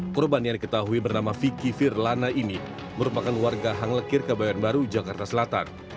korban yang diketahui bernama vicky firlana ini merupakan warga hang lekir kebayan baru jakarta selatan